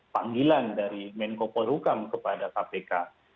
panggilan dari menko polhukam kepada kpk